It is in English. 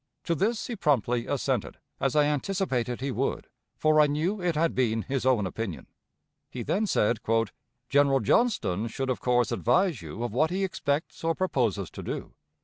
To this he promptly assented, as I anticipated he would, for I knew it had been his own opinion. He then said: "General Johnston should of course advise you of what he expects or proposes to do.